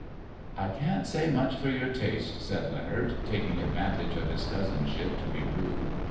" I can't say much for your taste," said Leonard, taking advantage of his cousinship to be rude.